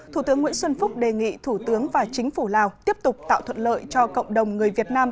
thủ tướng nguyễn xuân phúc đề nghị thủ tướng và chính phủ lào tiếp tục tạo thuận lợi cho cộng đồng người việt nam